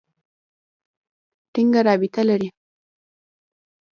ټینګه رابطه لري.